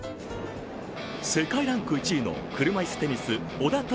世界ランク１位の車いすテニスの小田凱